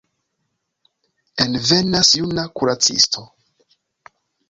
Envenas juna kuracisto.